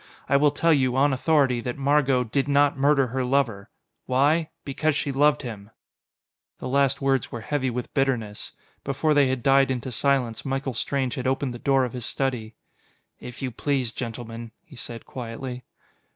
I will tell you, on authority, that Margot did not murder her lover. Why? Because she loved him!" The last words were heavy with bitterness. Before they had died into silence, Michael Strange had opened the door of his study. "If you please, gentlemen," he said quietly.